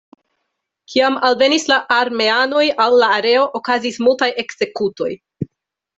Kiam alvenis la armeanoj al la areo okazis multaj ekzekutoj.